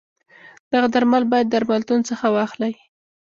دغه درمل باید درملتون څخه واخلی.